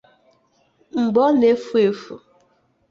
mgbe o na-efu efu